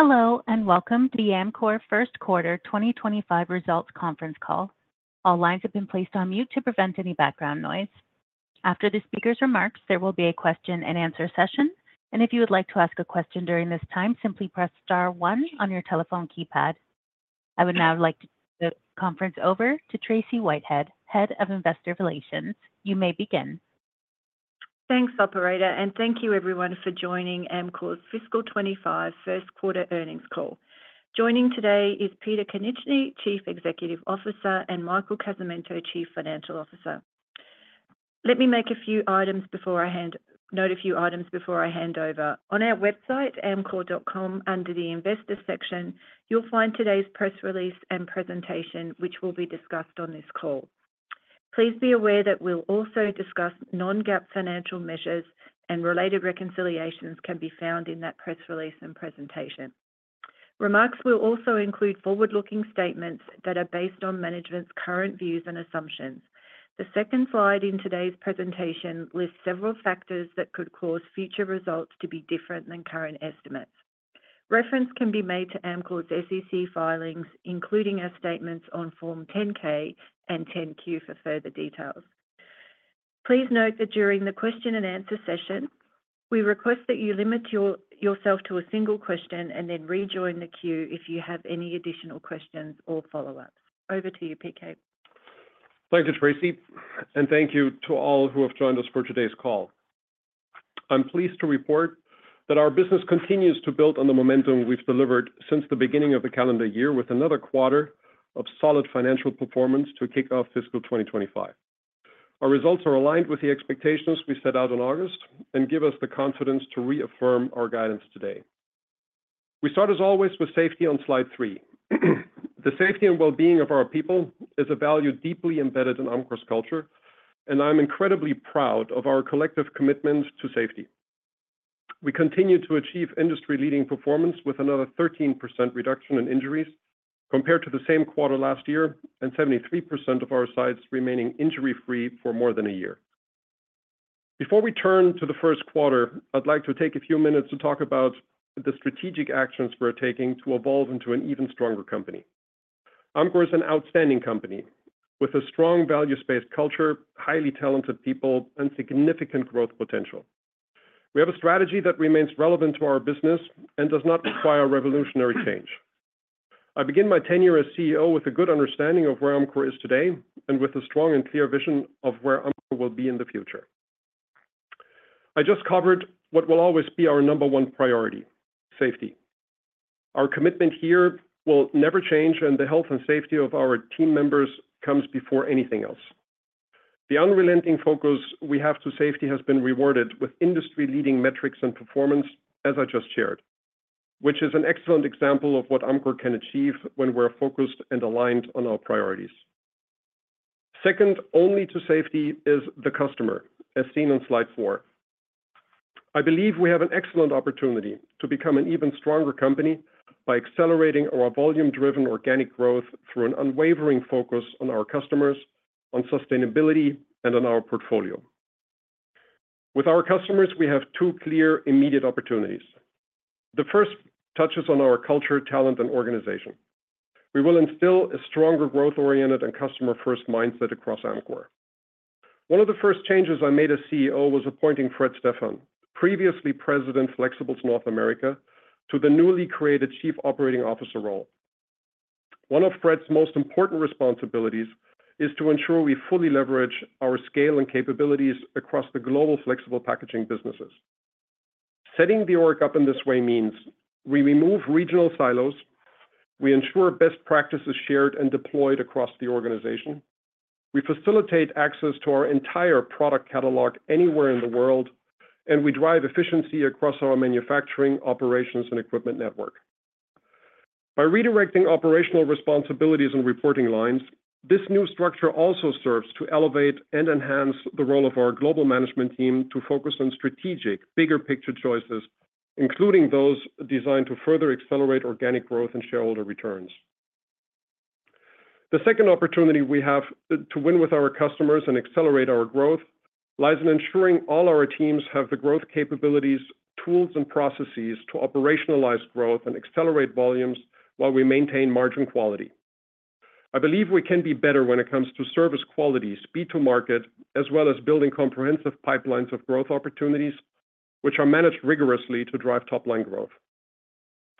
Hello, and welcome to the Amcor First Quarter 2025 Results Conference Call. All lines have been placed on mute to prevent any background noise. After the speaker's remarks, there will be a question-and-answer session, and if you would like to ask a question during this time, simply press star one on your telephone keypad. I would now like to turn the conference over to Tracey Whitehead, Head of Investor Relations. You may begin. Thanks, Operator, and thank you, everyone, for joining Amcor's Fiscal '25 First Quarter Earnings Call. Joining today is Peter Konieczny, Chief Executive Officer, and Michael Casamento, Chief Financial Officer. Let me note a few items before I hand over. On our website, amcor.com, under the Investor section, you'll find today's press release and presentation, which will be discussed on this call. Please be aware that we'll also discuss non-GAAP financial measures, and related reconciliations can be found in that press release and presentation. Remarks will also include forward-looking statements that are based on management's current views and assumptions. The second slide in today's presentation lists several factors that could cause future results to be different than current estimates. Reference can be made to Amcor's SEC filings, including our statements on Form 10-K and 10-Q for further details. Please note that during the question-and-answer session, we request that you limit yourself to a single question and then rejoin the queue if you have any additional questions or follow-ups. Over to you, PK. Thank you, Tracey, and thank you to all who have joined us for today's call. I'm pleased to report that our business continues to build on the momentum we've delivered since the beginning of the calendar year, with another quarter of solid financial performance to kick off Fiscal 2025. Our results are aligned with the expectations we set out in August and give us the confidence to reaffirm our guidance today. We start, as always, with safety on slide three. The safety and well-being of our people is a value deeply embedded in Amcor's culture, and I'm incredibly proud of our collective commitment to safety. We continue to achieve industry-leading performance with another 13% reduction in injuries compared to the same quarter last year, and 73% of our sites remaining injury-free for more than a year. Before we turn to the first quarter, I'd like to take a few minutes to talk about the strategic actions we're taking to evolve into an even stronger company. Amcor is an outstanding company with a strong value-based culture, highly talented people, and significant growth potential. We have a strategy that remains relevant to our business and does not require revolutionary change. I begin my tenure as CEO with a good understanding of where Amcor is today and with a strong and clear vision of where Amcor will be in the future. I just covered what will always be our number one priority: safety. Our commitment here will never change, and the health and safety of our team members comes before anything else. The unrelenting focus we have on safety has been rewarded with industry-leading metrics and performance, as I just shared, which is an excellent example of what Amcor can achieve when we're focused and aligned on our priorities. Second only to safety is the customer, as seen on slide four. I believe we have an excellent opportunity to become an even stronger company by accelerating our volume-driven organic growth through an unwavering focus on our customers, on sustainability, and on our portfolio. With our customers, we have two clear, immediate opportunities. The first touches on our culture, talent, and organization. We will instill a stronger growth-oriented and customer-first mindset across Amcor. One of the first changes I made as CEO was appointing Fred Stephan, previously President Flexibles North America, to the newly created Chief Operating Officer role. One of Fred's most important responsibilities is to ensure we fully leverage our scale and capabilities across the global flexible packaging businesses. Setting the org up in this way means we remove regional silos, we ensure best practices are shared and deployed across the organization, we facilitate access to our entire product catalog anywhere in the world, and we drive efficiency across our manufacturing, operations, and equipment network. By redirecting operational responsibilities and reporting lines, this new structure also serves to elevate and enhance the role of our global management team to focus on strategic, bigger-picture choices, including those designed to further accelerate organic growth and shareholder returns. The second opportunity we have to win with our customers and accelerate our growth lies in ensuring all our teams have the growth capabilities, tools, and processes to operationalize growth and accelerate volumes while we maintain margin quality. I believe we can be better when it comes to service qualities, B2 market, as well as building comprehensive pipelines of growth opportunities, which are managed rigorously to drive top-line growth.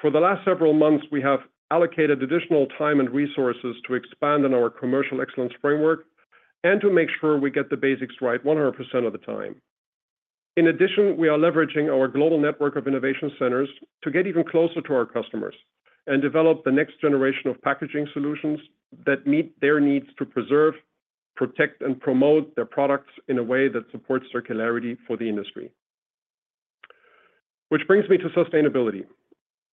For the last several months, we have allocated additional time and resources to expand on our commercial excellence framework and to make sure we get the basics right 100% of the time. In addition, we are leveraging our global network of innovation centers to get even closer to our customers and develop the next generation of packaging solutions that meet their needs to preserve, protect, and promote their products in a way that supports circularity for the industry. Which brings me to sustainability.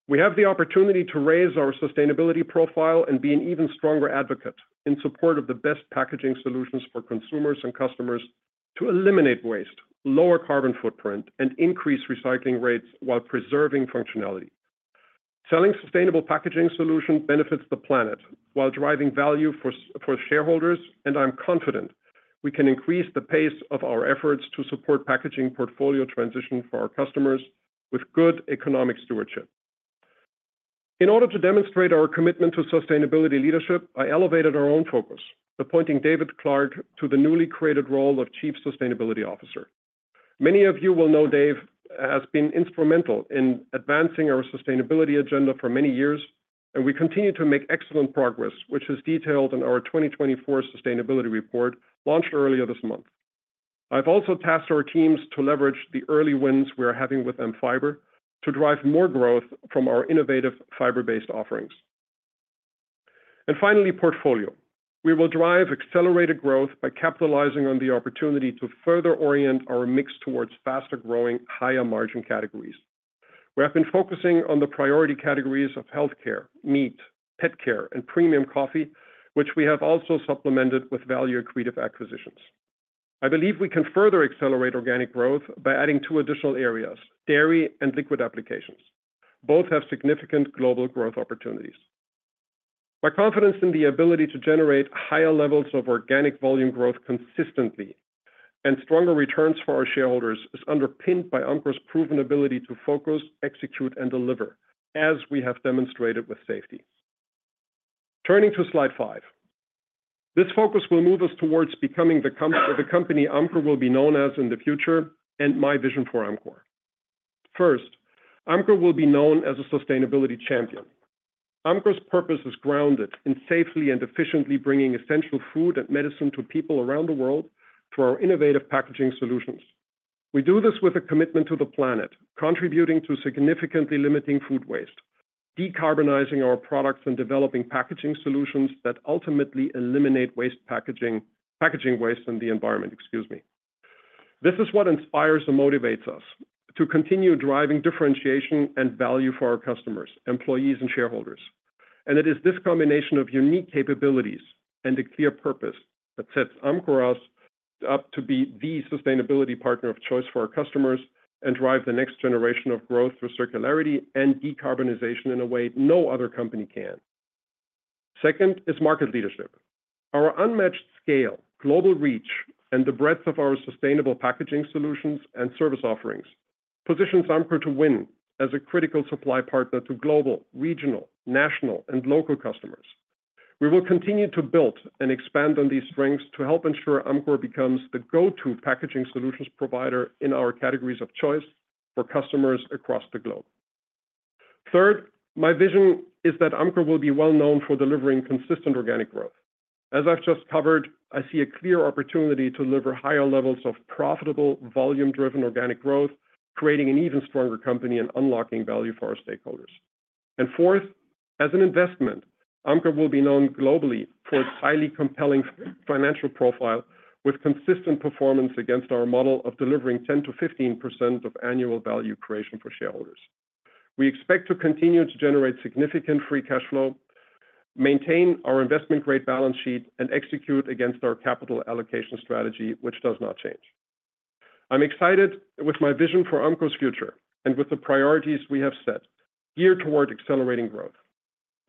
We have the opportunity to raise our sustainability profile and be an even stronger advocate in support of the best packaging solutions for consumers and customers to eliminate waste, lower carbon footprint, and increase recycling rates while preserving functionality. Selling sustainable packaging solutions benefits the planet while driving value for shareholders, and I'm confident we can increase the pace of our efforts to support packaging portfolio transition for our customers with good economic stewardship. In order to demonstrate our commitment to sustainability leadership, I elevated our own focus, appointing David Clark to the newly created role of Chief Sustainability Officer. Many of you will know Dave has been instrumental in advancing our sustainability agenda for many years, and we continue to make excellent progress, which is detailed in our 2024 sustainability report launched earlier this month. I've also tasked our teams to leverage the early wins we are having with AmFiber to drive more growth from our innovative fiber-based offerings. And finally, portfolio. We will drive accelerated growth by capitalizing on the opportunity to further orient our mix towards faster-growing, higher-margin categories. We have been focusing on the priority categories of healthcare, meat, pet care, and premium coffee, which we have also supplemented with value-accretive acquisitions. I believe we can further accelerate organic growth by adding two additional areas: dairy and liquid applications. Both have significant global growth opportunities. My confidence in the ability to generate higher levels of organic volume growth consistently and stronger returns for our shareholders is underpinned by Amcor's proven ability to focus, execute, and deliver, as we have demonstrated with safety. Turning to slide five, this focus will move us towards becoming the company Amcor will be known as in the future and my vision for Amcor. First, Amcor will be known as a sustainability champion. Amcor's purpose is grounded in safely and efficiently bringing essential food and medicine to people around the world through our innovative packaging solutions. We do this with a commitment to the planet, contributing to significantly limiting food waste, decarbonizing our products, and developing packaging solutions that ultimately eliminate waste, packaging waste, and the environment. Excuse me. This is what inspires and motivates us to continue driving differentiation and value for our customers, employees, and shareholders. It is this combination of unique capabilities and a clear purpose that sets Amcor up to be the sustainability partner of choice for our customers and drive the next generation of growth through circularity and decarbonization in a way no other company can. Second is market leadership. Our unmatched scale, global reach, and the breadth of our sustainable packaging solutions and service offerings positions Amcor to win as a critical supply partner to global, regional, national, and local customers. We will continue to build and expand on these strengths to help ensure Amcor becomes the go-to packaging solutions provider in our categories of choice for customers across the globe. Third, my vision is that Amcor will be well-known for delivering consistent organic growth. As I've just covered, I see a clear opportunity to deliver higher levels of profitable, volume-driven organic growth, creating an even stronger company and unlocking value for our stakeholders. And fourth, as an investment, Amcor will be known globally for its highly compelling financial profile with consistent performance against our model of delivering 10%-15% of annual value creation for shareholders. We expect to continue to generate significant free cash flow, maintain our investment-grade balance sheet, and execute against our capital allocation strategy, which does not change. I'm excited with my vision for Amcor's future and with the priorities we have set, geared toward accelerating growth.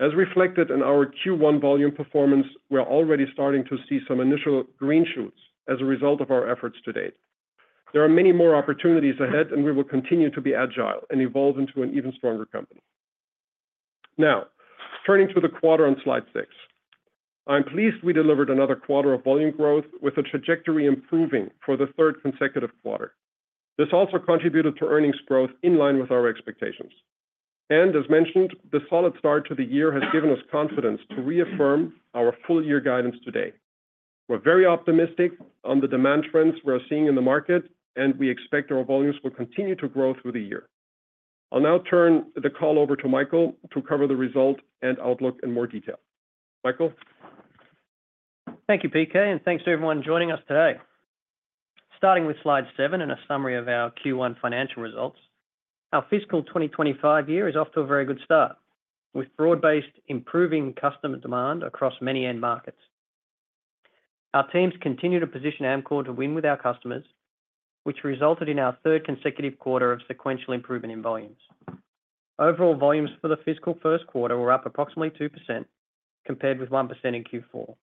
As reflected in our Q1 volume performance, we're already starting to see some initial green shoots as a result of our efforts to date. There are many more opportunities ahead, and we will continue to be agile and evolve into an even stronger company. Now, turning to the quarter on slide six, I'm pleased we delivered another quarter of volume growth with a trajectory improving for the third consecutive quarter. This also contributed to earnings growth in line with our expectations. And as mentioned, the solid start to the year has given us confidence to reaffirm our full-year guidance today. We're very optimistic on the demand trends we're seeing in the market, and we expect our volumes will continue to grow through the year. I'll now turn the call over to Michael to cover the result and outlook in more detail. Michael. Thank you, PK, and thanks to everyone joining us today. Starting with slide seven and a summary of our Q1 financial results, our fiscal 2025 year is off to a very good start with broad-based improving customer demand across many end markets. Our teams continue to position Amcor to win with our customers, which resulted in our third consecutive quarter of sequential improvement in volumes. Overall volumes for the fiscal first quarter were up approximately 2% compared with 1% in Q4.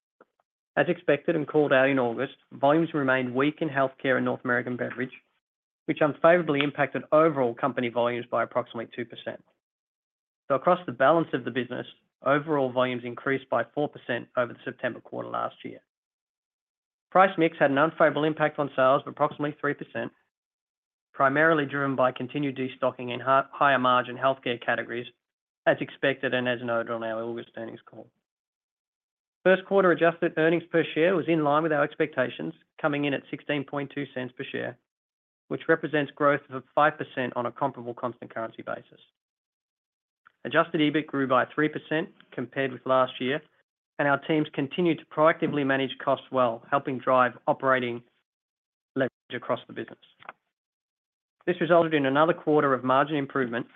As expected and called out in August, volumes remained weak in healthcare and North American beverage, which unfavorably impacted overall company volumes by approximately 2%. So across the balance of the business, overall volumes increased by 4% over the September quarter last year. Price mix had an unfavorable impact on sales of approximately 3%, primarily driven by continued destocking in higher-margin healthcare categories, as expected and as noted on our August earnings call. First quarter adjusted earnings per share was in line with our expectations, coming in at $0.162 per share, which represents growth of 5% on a comparable constant currency basis. Adjusted EBIT grew by 3% compared with last year, and our teams continued to proactively manage costs well, helping drive operating leverage across the business. This resulted in another quarter of margin improvement,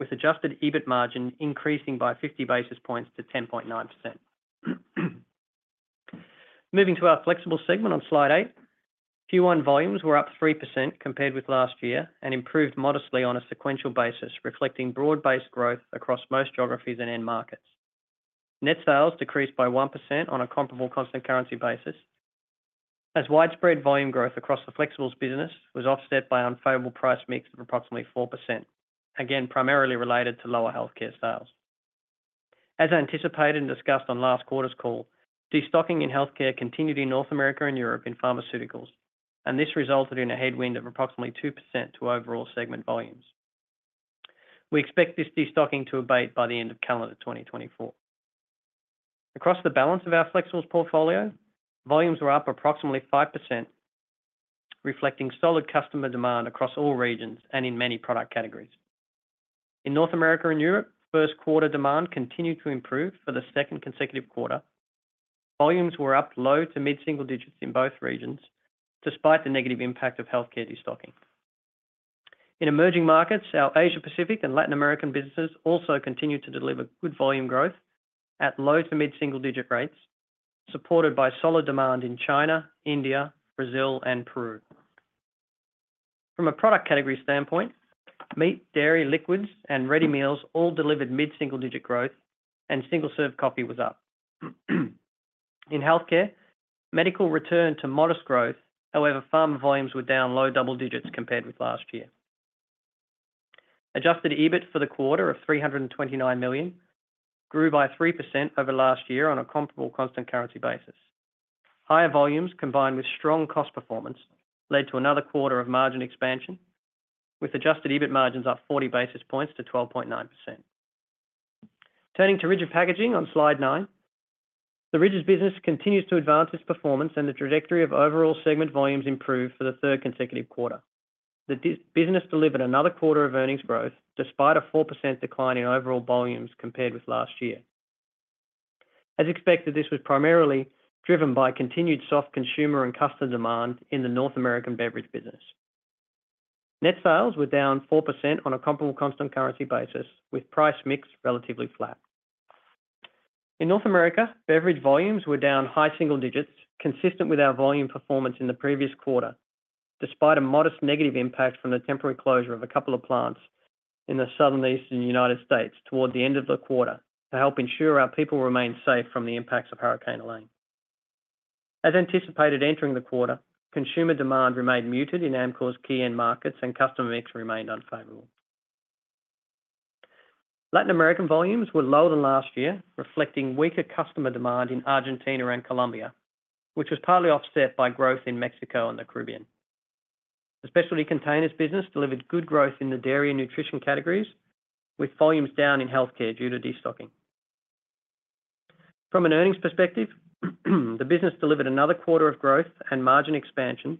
with adjusted EBIT margin increasing by 50 basis points to 10.9%. Moving to our flexible segment on slide eight, Q1 volumes were up 3% compared with last year and improved modestly on a sequential basis, reflecting broad-based growth across most geographies and end markets. Net sales decreased by 1% on a comparable constant currency basis, as widespread volume growth across the flexible business was offset by an unfavorable price mix of approximately 4%, again primarily related to lower healthcare sales. As anticipated and discussed on last quarter's call, destocking in healthcare continued in North America and Europe in pharmaceuticals, and this resulted in a headwind of approximately 2% to overall segment volumes. We expect this destocking to abate by the end of calendar 2024. Across the balance of our flexible portfolio, volumes were up approximately 5%, reflecting solid customer demand across all regions and in many product categories. In North America and Europe, first quarter demand continued to improve for the second consecutive quarter. Volumes were up low to mid-single digits in both regions, despite the negative impact of healthcare destocking. In emerging markets, our Asia Pacific and Latin American businesses also continued to deliver good volume growth at low- to mid-single-digit rates, supported by solid demand in China, India, Brazil, and Peru. From a product category standpoint, meat, dairy, liquids, and ready meals all delivered mid-single-digit growth, and single-serve coffee was up. In healthcare, medical returned to modest growth, however, pharma volumes were down low double-digits compared with last year. Adjusted EBIT for the quarter of $329 million grew by 3% over last year on a comparable constant currency basis. Higher volumes combined with strong cost performance led to another quarter of margin expansion, with adjusted EBIT margins up 40 basis points to 12.9%. Turning to Rigid Packaging on slide nine, the Rigid Packaging business continues to advance its performance, and the trajectory of overall segment volumes improved for the third consecutive quarter. The business delivered another quarter of earnings growth despite a 4% decline in overall volumes compared with last year. As expected, this was primarily driven by continued soft consumer and customer demand in the North American beverage business. Net sales were down 4% on a comparable constant currency basis, with price mix relatively flat. In North America, beverage volumes were down high single digits, consistent with our volume performance in the previous quarter, despite a modest negative impact from the temporary closure of a couple of plants in the southeastern United States toward the end of the quarter to help ensure our people remain safe from the impacts of Hurricane Helene. As anticipated, entering the quarter, consumer demand remained muted in Amcor's key end markets, and customer mix remained unfavorable. Latin American volumes were lower than last year, reflecting weaker customer demand in Argentina and Colombia, which was partly offset by growth in Mexico and the Caribbean. The specialty containers business delivered good growth in the dairy and nutrition categories, with volumes down in healthcare due to destocking. From an earnings perspective, the business delivered another quarter of growth and margin expansion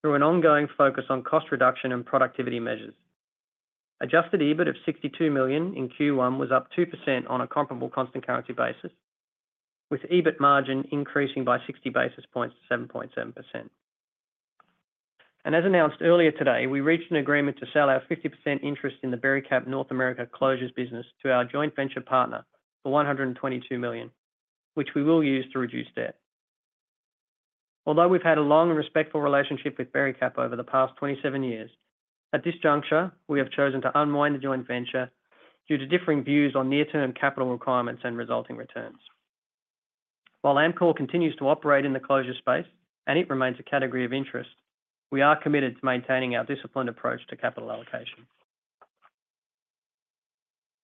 through an ongoing focus on cost reduction and productivity measures. Adjusted EBIT of $62 million in Q1 was up 2% on a comparable constant currency basis, with EBIT margin increasing by 60 basis points to 7.7%, and as announced earlier today, we reached an agreement to sell our 50% interest in the Bericap North America closures business to our joint venture partner for $122 million, which we will use to reduce debt. Although we've had a long and respectful relationship with Bericap over the past 27 years, at this juncture, we have chosen to unwind the joint venture due to differing views on near-term capital requirements and resulting returns. While Amcor continues to operate in the closure space, and it remains a category of interest, we are committed to maintaining our disciplined approach to capital allocation.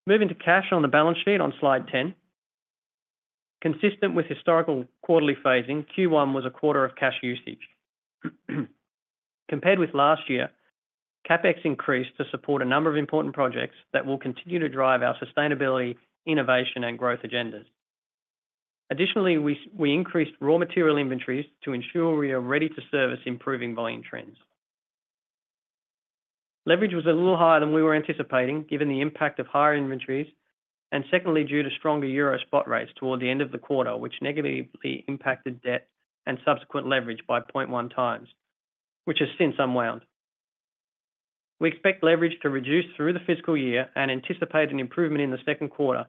Moving to cash on the balance sheet on slide 10, consistent with historical quarterly phasing, Q1 was a quarter of cash usage. Compared with last year, CapEx increased to support a number of important projects that will continue to drive our sustainability, innovation, and growth agendas. Additionally, we increased raw material inventories to ensure we are ready to service improving volume trends. Leverage was a little higher than we were anticipating, given the impact of higher inventories, and secondly, due to stronger euro spot rates toward the end of the quarter, which negatively impacted debt and subsequent leverage by 0.1 times, which has since unwound. We expect leverage to reduce through the fiscal year and anticipate an improvement in the second quarter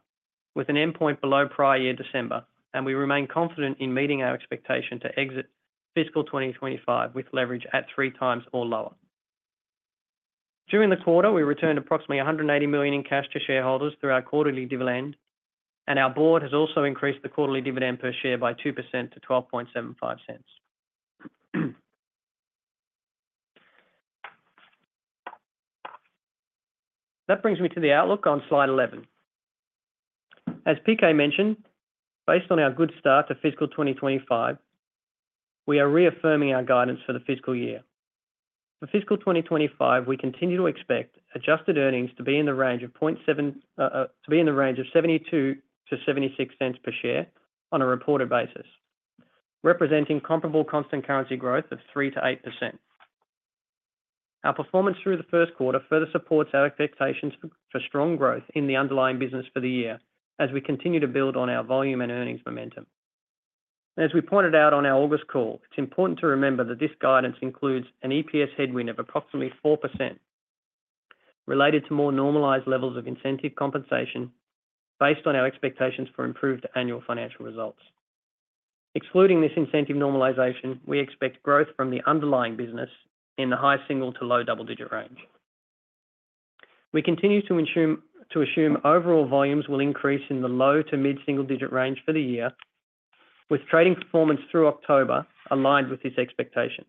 with an endpoint below prior year December, and we remain confident in meeting our expectation to exit fiscal 2025 with leverage at three times or lower. During the quarter, we returned approximately $180 million in cash to shareholders through our quarterly dividend, and our board has also increased the quarterly dividend per share by 2% to $0.1275. That brings me to the outlook on slide 11. As PK mentioned, based on our good start to fiscal 2025, we are reaffirming our guidance for the fiscal year. For fiscal 2025, we continue to expect adjusted earnings to be in the range of $0.72-$0.76 per share on a reported basis, representing comparable constant currency growth of 3%-8%. Our performance through the first quarter further supports our expectations for strong growth in the underlying business for the year as we continue to build on our volume and earnings momentum. As we pointed out on our August call, it's important to remember that this guidance includes an EPS headwind of approximately 4% related to more normalized levels of incentive compensation based on our expectations for improved annual financial results. Excluding this incentive normalization, we expect growth from the underlying business in the high single to low double-digit range. We continue to assume overall volumes will increase in the low to mid-single digit range for the year, with trading performance through October aligned with this expectation.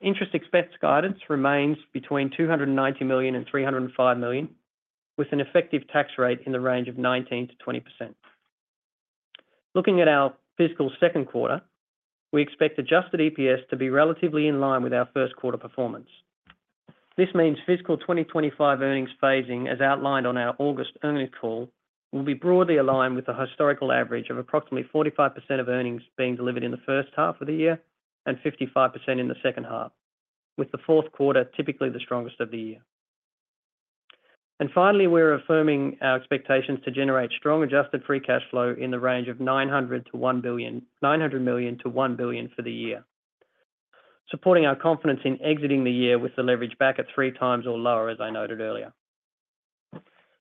Interest expense guidance remains between $290 million and $305 million, with an effective tax rate in the range of 19%-20%. Looking at our fiscal second quarter, we expect Adjusted EPS to be relatively in line with our first quarter performance. This means fiscal 2025 earnings phasing, as outlined on our August earnings call, will be broadly aligned with the historical average of approximately 45% of earnings being delivered in the first half of the year and 55% in the second half, with the fourth quarter typically the strongest of the year. And finally, we're affirming our expectations to generate strong adjusted free cash flow in the range of $900 million-$1 billion for the year, supporting our confidence in exiting the year with the leverage back at three times or lower, as I noted earlier.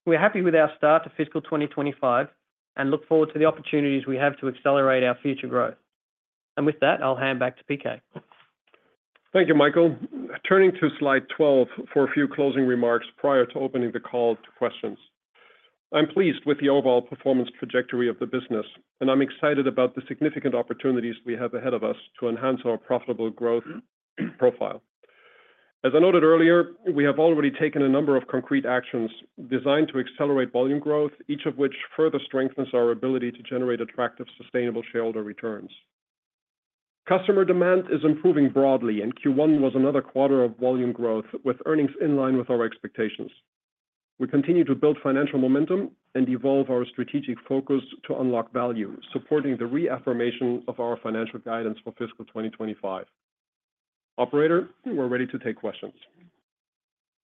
We're happy with our start to fiscal 2025 and look forward to the opportunities we have to accelerate our future growth. And with that, I'll hand back to PK. Thank you, Michael. Turning to slide 12 for a few closing remarks prior to opening the call to questions. I'm pleased with the overall performance trajectory of the business, and I'm excited about the significant opportunities we have ahead of us to enhance our profitable growth profile. As I noted earlier, we have already taken a number of concrete actions designed to accelerate volume growth, each of which further strengthens our ability to generate attractive sustainable shareholder returns. Customer demand is improving broadly, and Q1 was another quarter of volume growth, with earnings in line with our expectations. We continue to build financial momentum and evolve our strategic focus to unlock value, supporting the reaffirmation of our financial guidance for fiscal 2025. Operator, we're ready to take questions.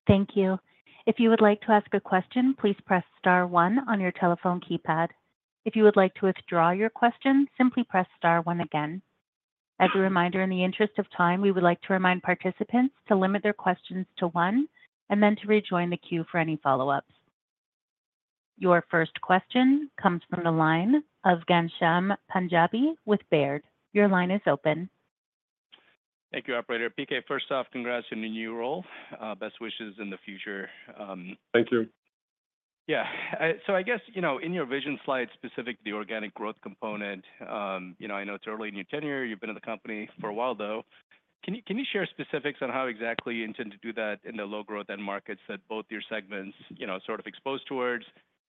Thank you. If you would like to ask a question, please press star one on your telephone keypad. If you would like to withdraw your question, simply press star one again. As a reminder, in the interest of time, we would like to remind participants to limit their questions to one and then to rejoin the queue for any follow-ups. Your first question comes from the line of Ghansham Panjabi with Baird. Your line is open. Thank you, Operator. PK, first off, congrats on your new role. Best wishes in the future. Thank you. Yeah. So I guess, you know, in your vision slide specific to the organic growth component, you know, I know it's early in your tenure. You've been at the company for a while, though. Can you share specifics on how exactly you intend to do that in the low growth end markets that both your segments, you know, sort of expose towards?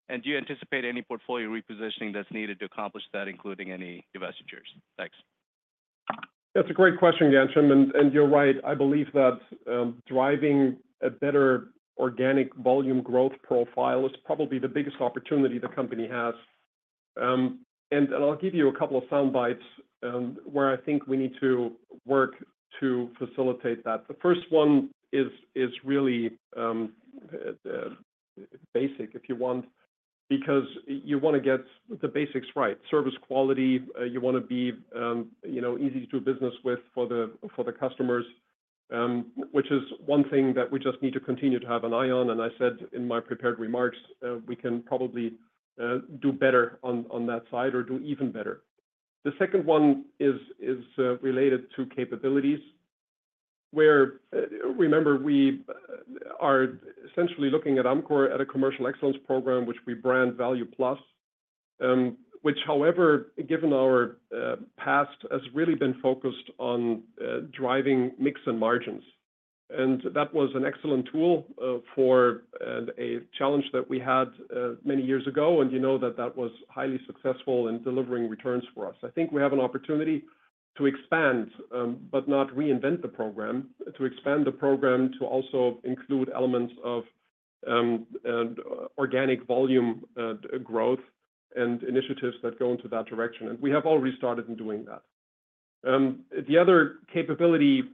And do you anticipate any portfolio repositioning that's needed to accomplish that, including any divestitures? Thanks. That's a great question, Ghansham, and you're right. I believe that driving a better organic volume growth profile is probably the biggest opportunity the company has, and I'll give you a couple of soundbites where I think we need to work to facilitate that. The first one is really basic, if you want, because you want to get the basics right: service quality. You want to be easy to do business with for the customers, which is one thing that we just need to continue to have an eye on, and I said in my prepared remarks, we can probably do better on that side or do even better. The second one is related to capabilities, where, remember, we are essentially looking at Amcor's commercial excellence program, which we branded Value Plus, which, however, given our past, has really been focused on driving mix and margins. That was an excellent tool for a challenge that we had many years ago, and you know that that was highly successful in delivering returns for us. I think we have an opportunity to expand, but not reinvent the program, to expand the program to also include elements of organic volume growth and initiatives that go into that direction. We have already started in doing that. The other capability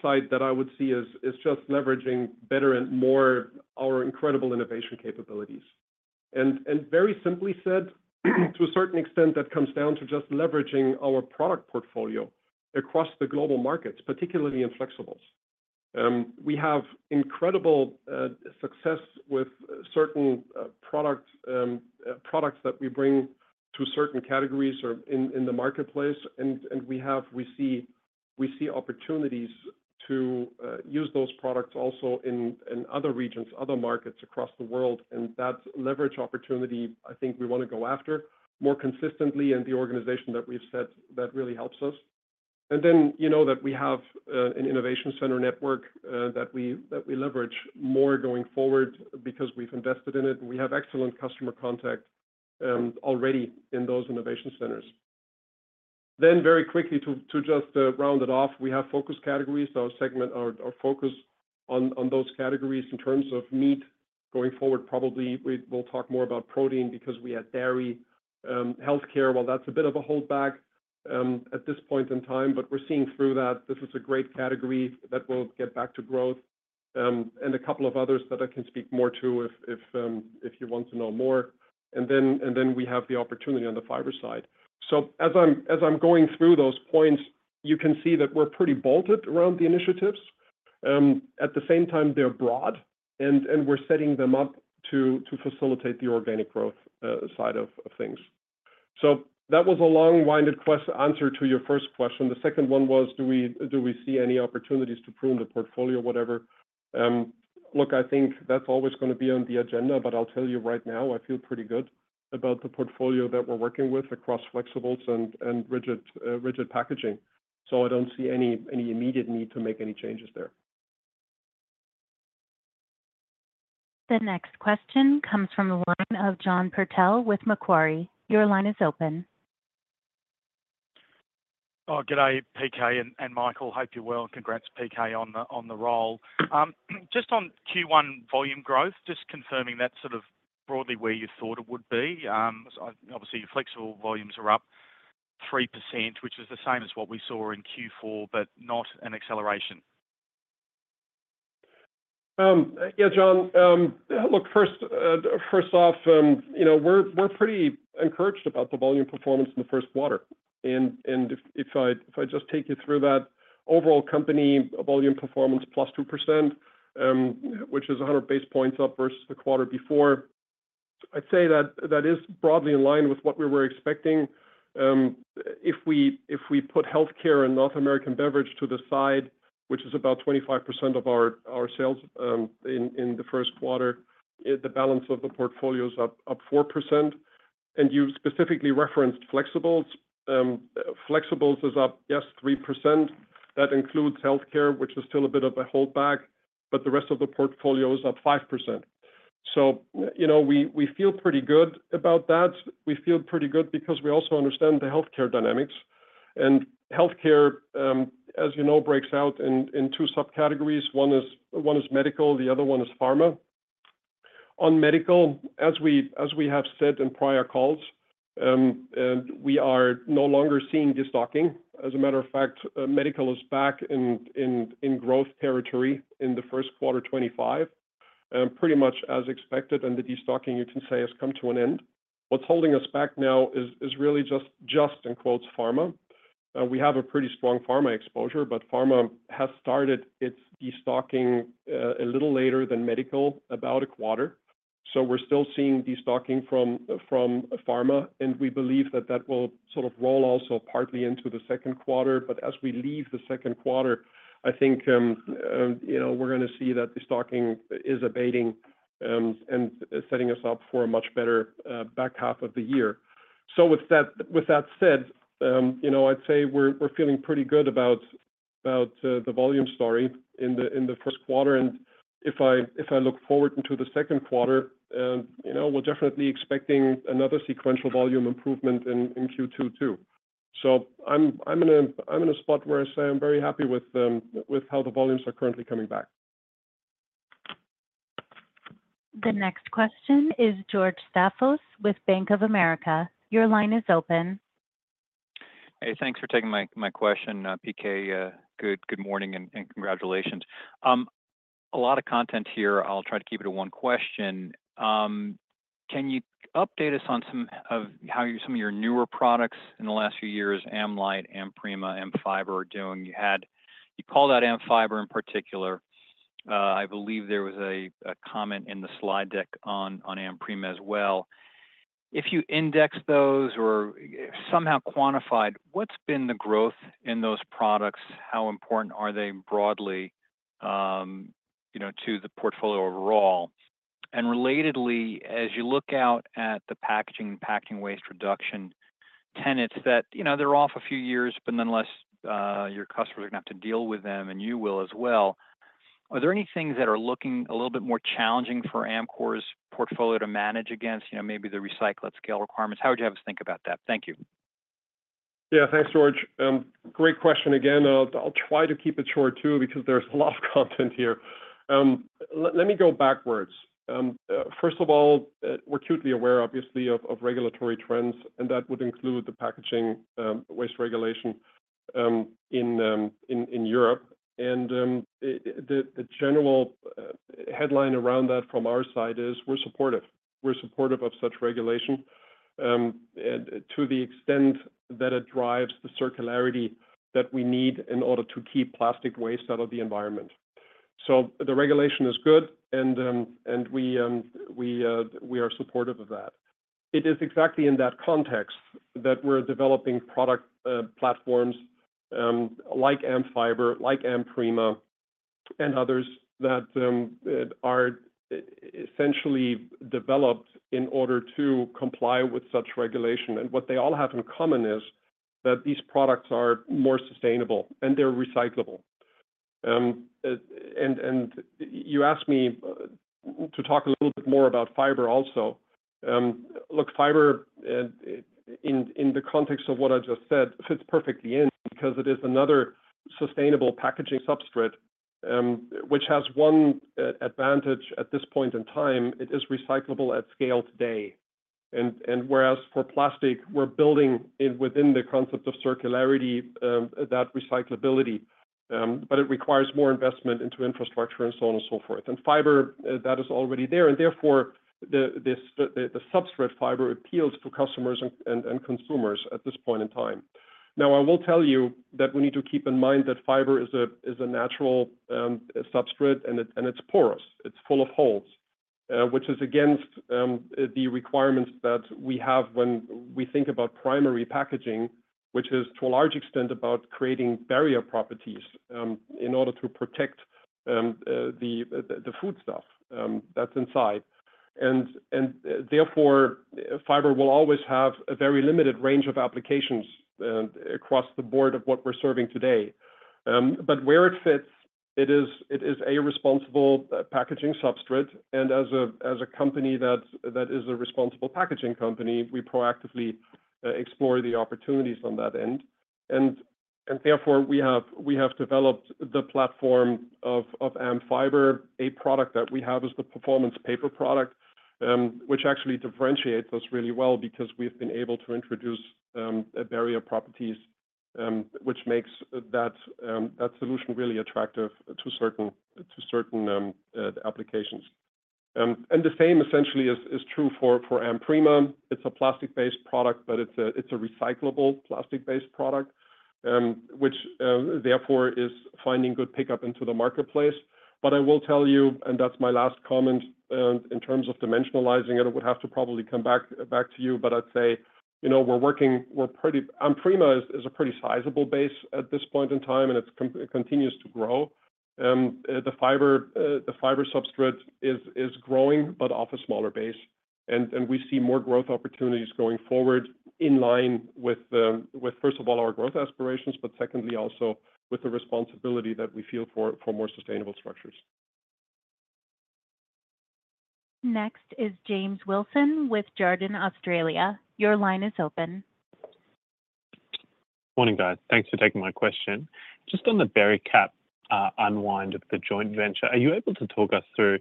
side that I would see is just leveraging better and more our incredible innovation capabilities. Very simply said, to a certain extent, that comes down to just leveraging our product portfolio across the global markets, particularly in flexibles. We have incredible success with certain products that we bring to certain categories in the marketplace, and we see opportunities to use those products also in other regions, other markets across the world. That leverage opportunity, I think we want to go after more consistently in the organization that we've said that really helps us. You know that we have an innovation center network that we leverage more going forward because we've invested in it, and we have excellent customer contact already in those innovation centers. Very quickly, to just round it off, we have focus categories, our segment, our focus on those categories in terms of meat going forward. Probably we will talk more about protein because we had dairy, health care. That's a bit of a holdback at this point in time, but we're seeing through that this is a great category that will get back to growth and a couple of others that I can speak more to if you want to know more. We have the opportunity on the fiber side. So as I'm going through those points, you can see that we're pretty bold around the initiatives. At the same time, they're broad, and we're setting them up to facilitate the organic growth side of things. So that was a long-winded answer to your first question. The second one was, do we see any opportunities to prune the portfolio, whatever? Look, I think that's always going to be on the agenda, but I'll tell you right now, I feel pretty good about the portfolio that we're working with across Flexibles and Rigid Packaging. So I don't see any immediate need to make any changes there. The next question comes from the line of John Purtell with Macquarie. Your line is open. Oh, good. Hi, PK and Michael. Hope you're well. Congrats, PK, on the role. Just on Q1 volume growth, just confirming that sort of broadly where you thought it would be. Obviously, your flexible volumes are up 3%, which is the same as what we saw in Q4, but not an acceleration. Yeah, John. Look, first off, you know, we're pretty encouraged about the volume performance in the first quarter. And if I just take you through that overall company volume performance plus 2%, which is 100 basis points up versus the quarter before, I'd say that that is broadly in line with what we were expecting. If we put healthcare and North American beverage to the side, which is about 25% of our sales in the first quarter, the balance of the portfolio is up 4%. And you specifically referenced flexibles. Flexibles is up, yes, 3%. That includes healthcare, which is still a bit of a holdback, but the rest of the portfolio is up 5%. So, you know, we feel pretty good about that. We feel pretty good because we also understand the healthcare dynamics. And healthcare, as you know, breaks out in two subcategories. One is medical, the other one is pharma. On medical, as we have said in prior calls, we are no longer seeing destocking. As a matter of fact, medical is back in growth territory in the first quarter 2025, pretty much as expected, and the destocking, you can say, has come to an end. What's holding us back now is really just, in quotes, pharma. We have a pretty strong pharma exposure, but pharma has started its destocking a little later than medical, about a quarter. So we're still seeing destocking from pharma, and we believe that that will sort of roll also partly into the second quarter, but as we leave the second quarter, I think, you know, we're going to see that destocking is abating and setting us up for a much better back half of the year. So with that said, you know, I'd say we're feeling pretty good about the volume story in the first quarter. And if I look forward into the second quarter, you know, we're definitely expecting another sequential volume improvement in Q2 too. So I'm in a spot where I say I'm very happy with how the volumes are currently coming back. The next question is George Staphos with Bank of America. Your line is open. Hey, thanks for taking my question, PK. Good morning and congratulations. A lot of content here. I'll try to keep it to one question. Can you update us on some of how some of your newer products in the last few years, AmLite, AmPrima, AmFiber are doing? You had, you called out AmFiber in particular. I believe there was a comment in the slide deck on AmPrima as well. If you index those or somehow quantified, what's been the growth in those products? How important are they broadly to the portfolio overall? And relatedly, as you look out at the packaging and packaging waste reduction tenets that, you know, they're off a few years, but nonetheless, your customers are going to have to deal with them, and you will as well. Are there any things that are looking a little bit more challenging for Amcor's portfolio to manage against, you know, maybe the recycled scale requirements? How would you have us think about that? Thank you. Yeah, thanks, George. Great question again. I'll try to keep it short too because there's a lot of content here. Let me go backwards. First of all, we're acutely aware, obviously, of regulatory trends, and that would include the packaging waste regulation in Europe, and the general headline around that from our side is we're supportive. We're supportive of such regulation to the extent that it drives the circularity that we need in order to keep plastic waste out of the environment, so the regulation is good, and we are supportive of that. It is exactly in that context that we're developing product platforms like AmFiber, like AmPrima, and others that are essentially developed in order to comply with such regulation, and what they all have in common is that these products are more sustainable, and they're recyclable. You asked me to talk a little bit more about fiber also. Look, fiber, in the context of what I just said, fits perfectly in because it is another sustainable packaging substrate, which has one advantage at this point in time. It is recyclable at scale today. And whereas for plastic, we're building within the concept of circularity that recyclability, but it requires more investment into infrastructure and so on and so forth. And fiber, that is already there. And therefore, the substrate fiber appeals to customers and consumers at this point in time. Now, I will tell you that we need to keep in mind that fiber is a natural substrate, and it's porous. It's full of holes, which is against the requirements that we have when we think about primary packaging, which is to a large extent about creating barrier properties in order to protect the foodstuff that's inside. And therefore, fiber will always have a very limited range of applications across the board of what we're serving today. But where it fits, it is a responsible packaging substrate. And as a company that is a responsible packaging company, we proactively explore the opportunities on that end. And therefore, we have developed the platform of AmFiber, a product that we have as the performance paper product, which actually differentiates us really well because we've been able to introduce barrier properties, which makes that solution really attractive to certain applications. And the same essentially is true for AmPrima. It's a plastic-based product, but it's a recyclable plastic-based product, which therefore is finding good pickup into the marketplace. But I will tell you, and that's my last comment in terms of dimensionalizing it, it would have to probably come back to you, but I'd say, you know, we're working, AmPrima is a pretty sizable base at this point in time, and it continues to grow. The fiber substrate is growing, but off a smaller base, and we see more growth opportunities going forward in line with, first of all, our growth aspirations, but secondly, also with the responsibility that we feel for more sustainable structures. Next is James Wilson with Jarden Australia. Your line is open. Good morning, guys. Thanks for taking my question. Just on the Bericap unwind of the joint venture, are you able to talk us through,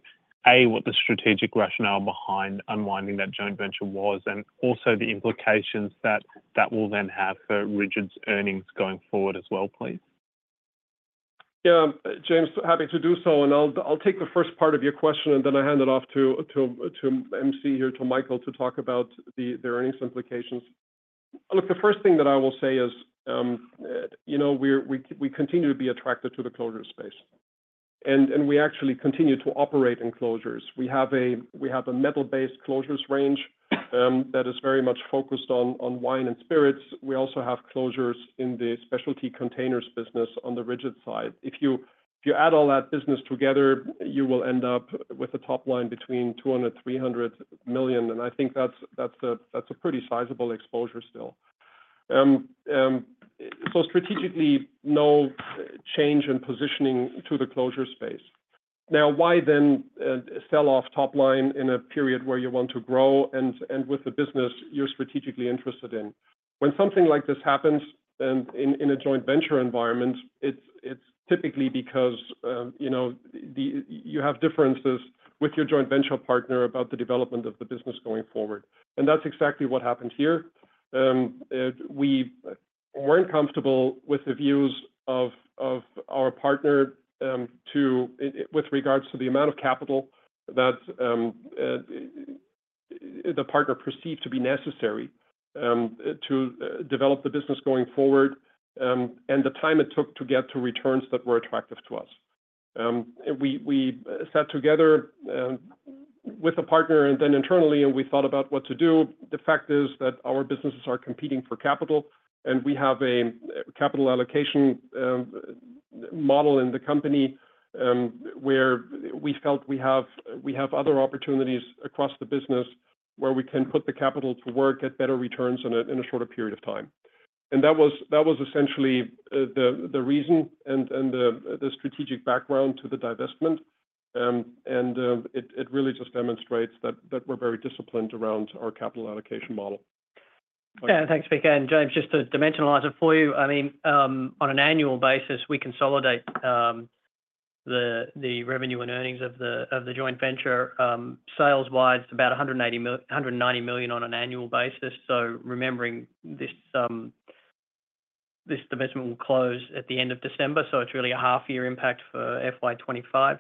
A, what the strategic rationale behind unwinding that joint venture was, and also the implications that that will then have for Rigid's earnings going forward as well, please? Yeah, James, happy to do so. And I'll take the first part of your question, and then I hand it off to MC here, to Michael, to talk about the earnings implications. Look, the first thing that I will say is, you know, we continue to be attracted to the closure space. And we actually continue to operate in closures. We have a metal-based closures range that is very much focused on wine and spirits. We also have closures in the specialty containers business on the Rigid side. If you add all that business together, you will end up with a top line between $200-$300 million. And I think that's a pretty sizable exposure still. So strategically, no change in positioning to the closure space. Now, why then sell off top line in a period where you want to grow and with the business you're strategically interested in? When something like this happens in a joint venture environment, it's typically because, you know, you have differences with your joint venture partner about the development of the business going forward. And that's exactly what happened here. We weren't comfortable with the views of our partner with regards to the amount of capital that the partner perceived to be necessary to develop the business going forward and the time it took to get to returns that were attractive to us. We sat together with a partner and then internally, and we thought about what to do. The fact is that our businesses are competing for capital, and we have a capital allocation model in the company where we felt we have other opportunities across the business where we can put the capital to work at better returns in a shorter period of time. That was essentially the reason and the strategic background to the divestment. It really just demonstrates that we're very disciplined around our capital allocation model. Yeah, thanks, PK. James, just to dimensionalize it for you, I mean, on an annual basis, we consolidate the revenue and earnings of the joint venture. Sales-wise, it's about $190 million on an annual basis. Remembering this divestment will close at the end of December, it's really a half-year impact for FY25.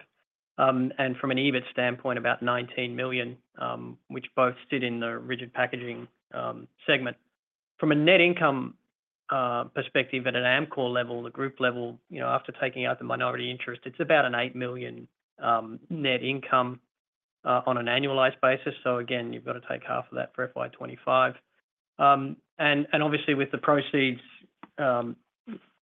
From an EBIT standpoint, about $19 million, which both sit in the rigid packaging segment. From a net income perspective at an Amcor level, the group level, you know, after taking out the minority interest, it's about an $8 million net income on an annualized basis. Again, you've got to take half of that for FY25. Obviously, with the proceeds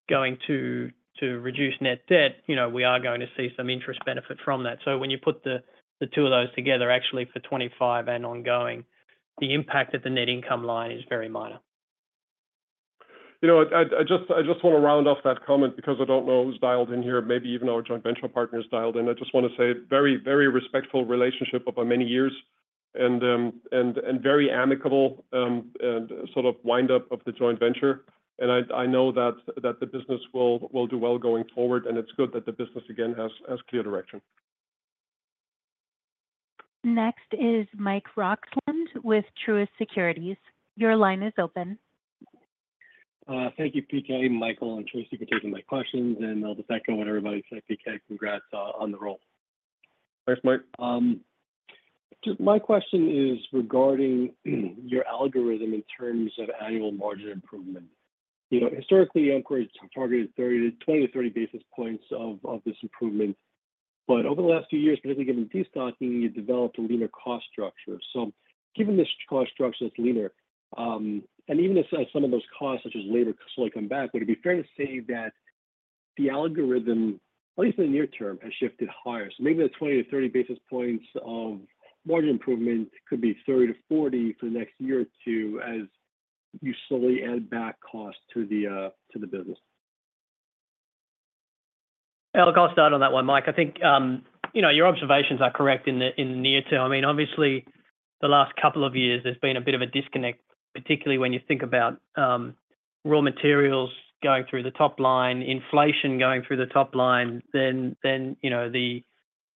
going to reduce net debt, you know, we are going to see some interest benefit from that. So when you put the two of those together, actually for 2025 and ongoing, the impact at the net income line is very minor. You know, I just want to round off that comment because I don't know who's dialed in here, maybe even our joint venture partner is dialed in. I just want to say very, very respectful relationship over many years and very amicable and sort of windup of the joint venture, and I know that the business will do well going forward, and it's good that the business again has clear direction. Next is. Mike Roxland Your line is open. Thank you, PK, Michael, and Tracey for taking my questions. And I'll just echo what everybody said, PK. Congrats on the role. Thanks, Mike. My question is regarding your algorithm in terms of annual margin improvement. You know, historically, Amcor targeted 20-30 basis points of this improvement. But over the last few years, particularly given destocking, you developed a leaner cost structure. So given this cost structure that's leaner, and even as some of those costs, such as labor, slowly come back, would it be fair to say that the algorithm, at least in the near term, has shifted higher? So maybe the 20-30 basis points of margin improvement could be 30-40 for the next year or two as you slowly add back cost to the business? I'll cast doubt on that one, Mike. I think, you know, your observations are correct in the near term. I mean, obviously, the last couple of years, there's been a bit of a disconnect, particularly when you think about raw materials going through the top line, inflation going through the top line, then the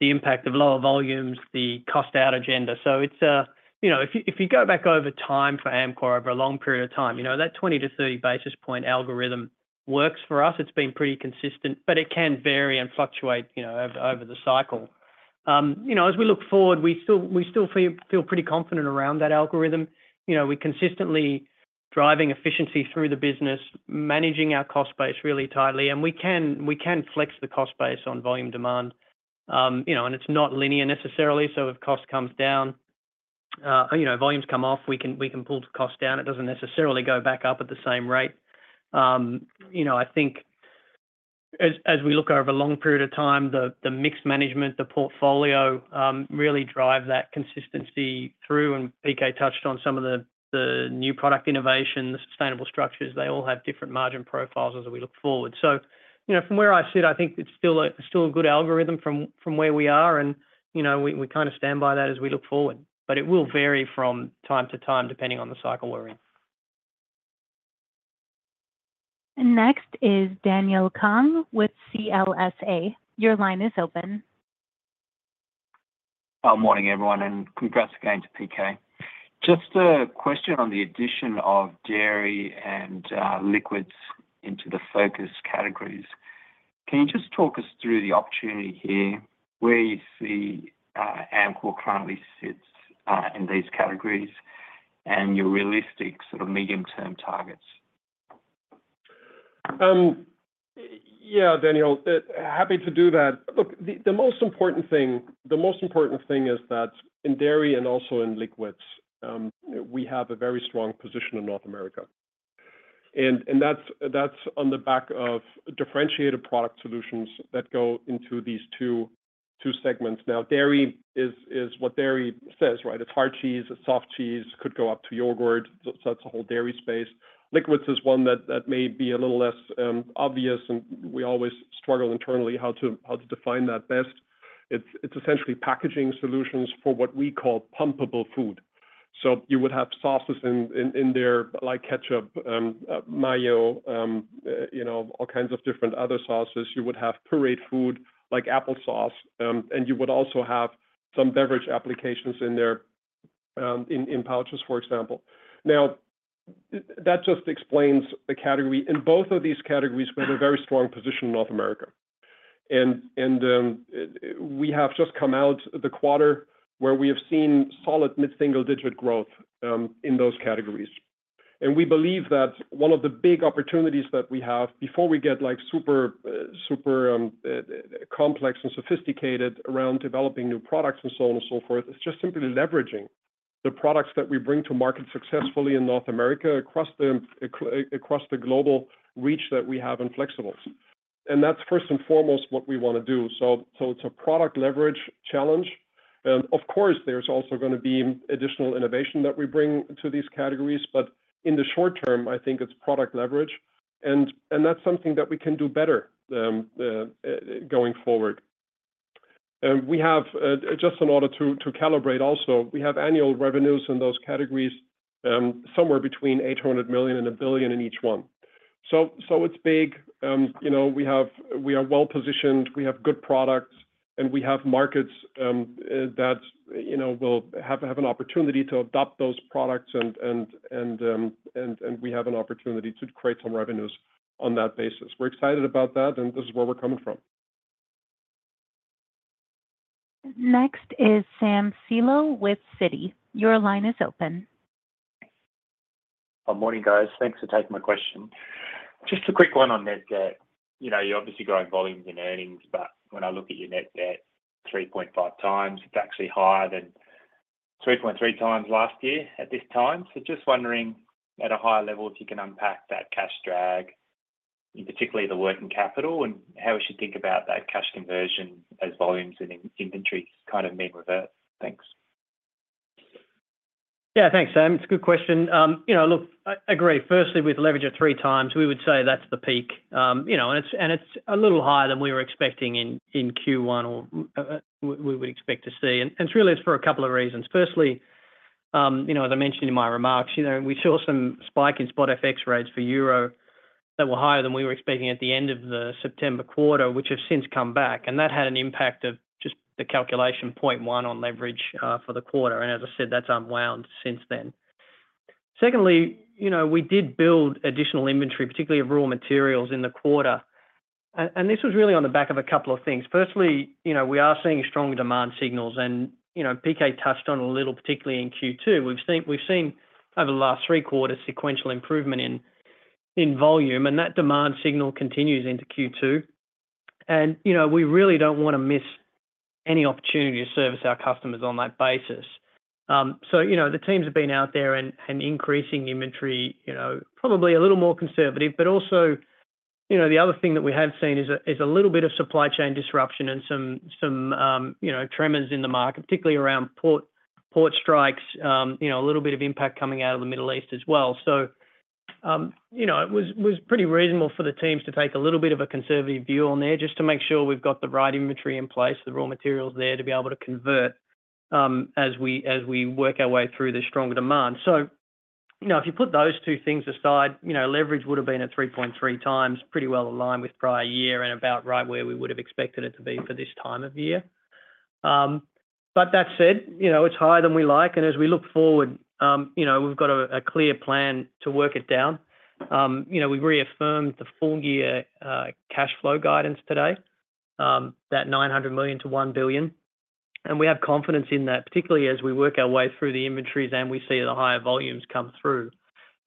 impact of lower volumes, the cost-out agenda. So it's, you know, if you go back over time for Amcor over a long period of time, you know, that 20-30 basis points algorithm works for us. It's been pretty consistent, but it can vary and fluctuate, you know, over the cycle. You know, as we look forward, we still feel pretty confident around that algorithm. You know, we're consistently driving efficiency through the business, managing our cost base really tightly. And we can flex the cost base on volume demand. You know, and it's not linear necessarily, so if cost comes down, you know, volumes come off, we can pull the cost down. It doesn't necessarily go back up at the same rate. You know, I think as we look over a long period of time, the mixed management, the portfolio really drive that consistency through, and PK touched on some of the new product innovations, the sustainable structures. They all have different margin profiles as we look forward, so, you know, from where I sit, I think it's still a good algorithm from where we are, and, you know, we kind of stand by that as we look forward, but it will vary from time to time depending on the cycle we're in. Next is Daniel Kang with CLSA. Your line is open. Good morning, everyone. Congrats again to PK. Just a question on the addition of dairy and liquids into the focus categories. Can you just talk us through the opportunity here where you see Amcor currently sits in these categories and your realistic sort of medium-term targets? Yeah, Daniel, happy to do that. Look, the most important thing, the most important thing is that in dairy and also in liquids, we have a very strong position in North America, and that's on the back of differentiated product solutions that go into these two segments. Now, dairy is what dairy says, right? It's hard cheese, it's soft cheese, could go up to yogurt. So that's the whole dairy space. Liquids is one that may be a little less obvious, and we always struggle internally how to define that best. It's essentially packaging solutions for what we call pumpable food. So you would have sauces in there, like ketchup, mayo, you know, all kinds of different other sauces. You would have pureed food, like applesauce, and you would also have some beverage applications in there in pouches, for example. Now, that just explains the category. In both of these categories, we have a very strong position in North America. We have just come out of the quarter where we have seen solid mid-single-digit growth in those categories. We believe that one of the big opportunities that we have before we get like super complex and sophisticated around developing new products and so on and so forth; it's just simply leveraging the products that we bring to market successfully in North America across the global reach that we have in flexibles. That's first and foremost what we want to do. It's a product leverage challenge. Of course, there's also going to be additional innovation that we bring to these categories. In the short term, I think it's product leverage. That's something that we can do better going forward. We have, just in order to calibrate also, we have annual revenues in those categories somewhere between $800 million and $1 billion in each one. So it's big. You know, we are well positioned, we have good products, and we have markets that, you know, will have an opportunity to adopt those products. We have an opportunity to create some revenues on that basis. We're excited about that, and this is where we're coming from. Next is Sam Seow with Citi. Your line is open. Good morning, guys. Thanks for taking my question. Just a quick one on net debt. You know, you're obviously growing volumes in earnings, but when I look at your net debt 3.5 times, it's actually higher than 3.3 times last year at this time. So just wondering at a higher level if you can unpack that cash drag, particularly the working capital, and how we should think about that cash conversion as volumes and inventory kind of being reversed. Thanks. Yeah, thanks, Sam. It's a good question. You know, look, I agree. Firstly, with leverage at three times, we would say that's the peak. You know, and it's a little higher than we were expecting in Q1 or we would expect to see. And it's really for a couple of reasons. Firstly, you know, as I mentioned in my remarks, you know, we saw some spike in spot FX rates for euro that were higher than we were expecting at the end of the September quarter, which have since come back. And that had an impact of just the calculation 0.1 on leverage for the quarter. And as I said, that's unwound since then. Secondly, you know, we did build additional inventory, particularly of raw materials in the quarter. And this was really on the back of a couple of things. Firstly, you know, we are seeing strong demand signals. You know, PK touched on a little, particularly in Q2. We've seen over the last three quarters sequential improvement in volume, and that demand signal continues into Q2. You know, we really don't want to miss any opportunity to service our customers on that basis. You know, the teams have been out there and increasing inventory, you know, probably a little more conservative. Also, you know, the other thing that we have seen is a little bit of supply chain disruption and some, you know, tremors in the market, particularly around port strikes, you know, a little bit of impact coming out of the Middle East as well. So, you know, it was pretty reasonable for the teams to take a little bit of a conservative view on there just to make sure we've got the right inventory in place, the raw materials there to be able to convert as we work our way through the stronger demand. So, you know, if you put those two things aside, you know, leverage would have been at 3.3 times, pretty well aligned with prior year and about right where we would have expected it to be for this time of year. But that said, you know, it's higher than we like. And as we look forward, you know, we've got a clear plan to work it down. You know, we reaffirmed the full year cash flow guidance today, that $900 million-$1 billion. We have confidence in that, particularly as we work our way through the inventories and we see the higher volumes come through.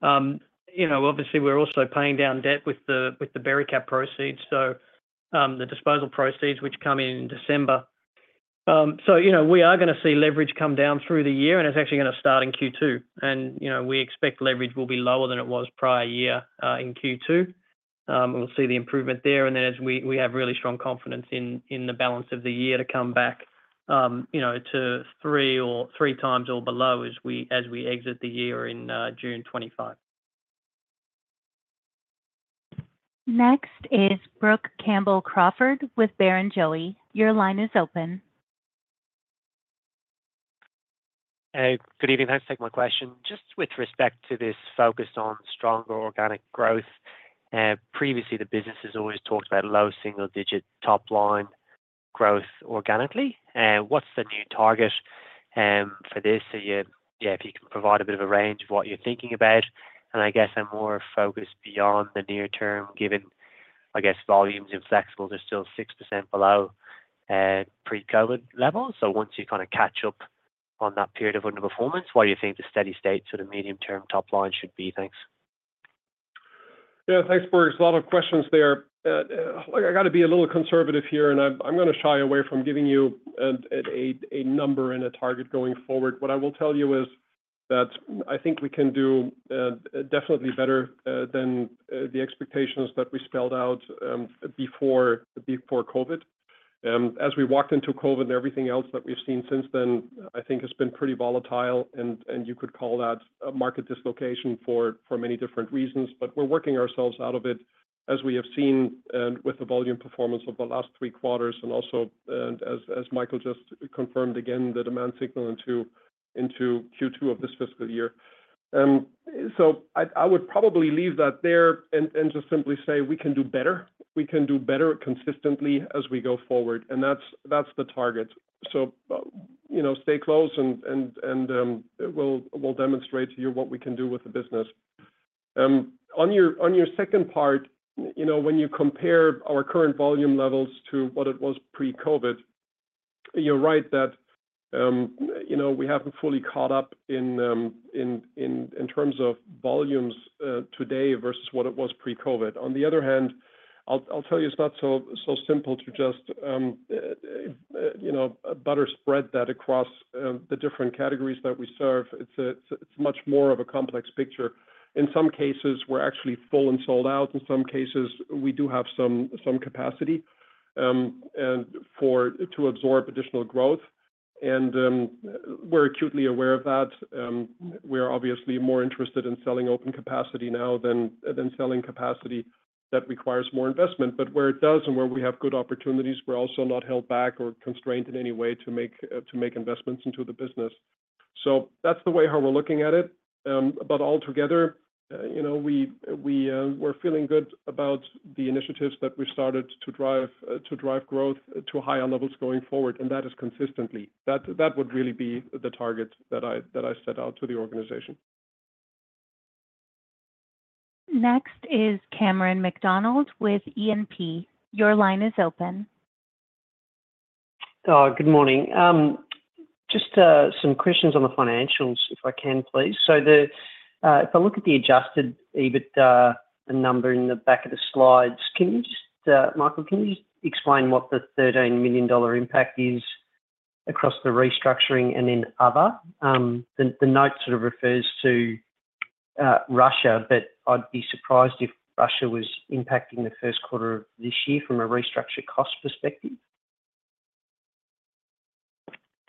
You know, obviously, we're also paying down debt with the Bericap proceeds, so the disposal proceeds, which come in in December. So, you know, we are going to see leverage come down through the year, and it's actually going to start in Q2. And, you know, we expect leverage will be lower than it was prior year in Q2. We'll see the improvement there. And then as we have really strong confidence in the balance of the year to come back, you know, to three or three times or below as we exit the year in June 2025. Next is Brooke Campbell-Crawford with Barrenjoey. Your line is open. Hey, good evening. Thanks for taking my question. Just with respect to this focus on stronger organic growth, previously the business has always talked about low single-digit top line growth organically. What's the new target for this? Yeah, if you can provide a bit of a range of what you're thinking about. And I guess I'm more focused beyond the near term, given, I guess, volumes in flexibles are still 6% below pre-COVID levels. So once you kind of catch up on that period of underperformance, what do you think the steady state sort of medium-term top line should be? Thanks. Yeah, thanks, Brooke. There's a lot of questions there. I got to be a little conservative here, and I'm going to shy away from giving you a number and a target going forward. What I will tell you is that I think we can do definitely better than the expectations that we spelled out before COVID. As we walked into COVID and everything else that we've seen since then, I think it's been pretty volatile. And you could call that a market dislocation for many different reasons. But we're working ourselves out of it as we have seen with the volume performance of the last three quarters and also, as Michael just confirmed again, the demand signal into Q2 of this fiscal year. So I would probably leave that there and just simply say we can do better. We can do better consistently as we go forward. And that's the target. So, you know, stay close and we'll demonstrate to you what we can do with the business. On your second part, you know, when you compare our current volume levels to what it was pre-COVID, you're right that, you know, we haven't fully caught up in terms of volumes today versus what it was pre-COVID. On the other hand, I'll tell you, it's not so simple to just, you know, but to spread that across the different categories that we serve. It's much more of a complex picture. In some cases, we're actually full and sold out. In some cases, we do have some capacity to absorb additional growth. And we're acutely aware of that. We're obviously more interested in selling open capacity now than selling capacity that requires more investment. But where it does and where we have good opportunities, we're also not held back or constrained in any way to make investments into the business. So that's the way how we're looking at it. But altogether, you know, we're feeling good about the initiatives that we've started to drive growth to higher levels going forward. And that is consistently. That would really be the target that I set out to the organization. Next is Cameron McDonald with E&P. Your line is open. Good morning. Just some questions on the financials, if I can, please. So if I look at the Adjusted EBITDA number in the back of the slides, can you just, Michael, can you just explain what the $13 million impact is across the restructuring and then other? The note sort of refers to Russia, but I'd be surprised if Russia was impacting the first quarter of this year from a restructured cost perspective.